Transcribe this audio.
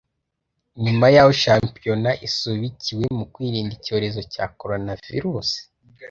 Nyuma yaho shampiyona isubikiwe mu kwirinda icyorezo cya coronavirus